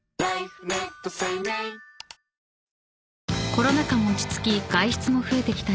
［コロナ禍も落ち着き外出も増えてきた